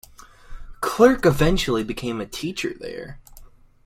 Clerc eventually became a teacher there.